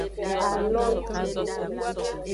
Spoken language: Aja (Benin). A lo ju.